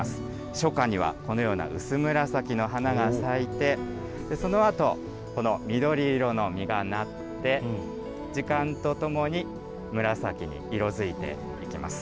初夏にはこのような薄紫の花が咲いて、そのあと、この緑色の実がなって、時間とともに紫に色づいていきます。